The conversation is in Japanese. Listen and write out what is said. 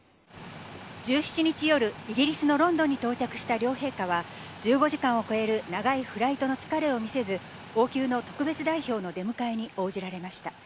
１７日夜、イギリスのロンドンに到着した両陛下は、１５時間を超える長いフライトの疲れを見せず、王宮の特別代表の出迎えに応じられました。